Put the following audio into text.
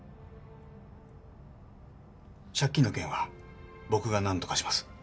借金の件は僕が何とかします。